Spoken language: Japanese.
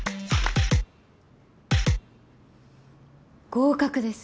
合格です。